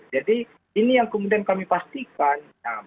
jadi ini yang kemudian kami pastikan